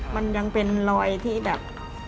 มันยังเป็นรอยที่แบบ